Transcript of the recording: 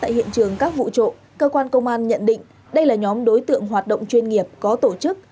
tại hiện trường các vụ trộm cơ quan công an nhận định đây là nhóm đối tượng hoạt động chuyên nghiệp có tổ chức